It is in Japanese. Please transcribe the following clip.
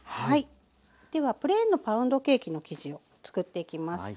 ではプレーンのパウンドケーキの生地をつくっていきます。